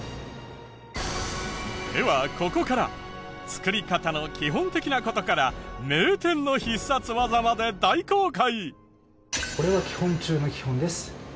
ではここから作り方の基本的な事から名店の必殺技まで大公開！